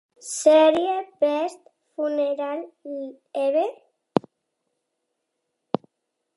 sèrie Best Funeral Ever.